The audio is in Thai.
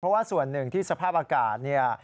เพราะว่าส่วนหนึ่งที่สภาพอากาศเนี่ย